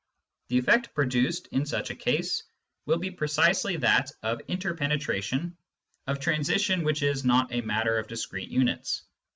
The effect produced, in such a case, will be precisely that of " interpenetration," of transition which is not a matter of discrete units.